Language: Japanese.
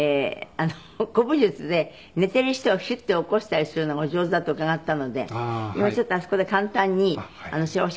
古武術で寝てる人をヒュッて起こしたりするのがお上手だと伺ったので今ちょっとあそこで簡単にそれ教えて頂こうかな。